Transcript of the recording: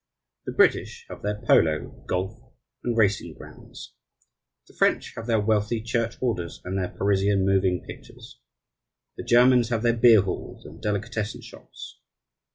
The British have their polo, golf, and racing grounds; the French have their wealthy church orders and their Parisian moving pictures; the Germans have their beer halls and delicatessen shops.